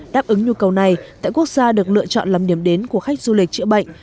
đáp ứng nhu cầu này tại quốc gia được lựa chọn làm điểm đến của khách du lịch chữa bệnh